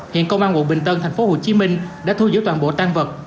hiện công an quận bình tân thành phố hồ chí minh đã thu giữ toàn bộ tan vật